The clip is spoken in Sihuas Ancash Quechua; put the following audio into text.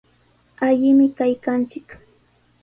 Allimi kaykanchik.